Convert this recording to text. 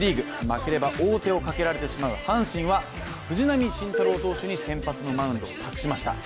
負ければ王手をかけられてしまう阪神は藤浪晋太郎投手に先発のマウンドを託しました。